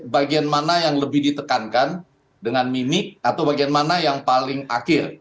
bagian mana yang lebih ditekankan dengan mimik atau bagian mana yang paling akhir